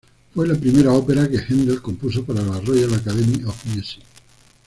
Fue la primera ópera que Händel compuso para la Royal Academy of Music.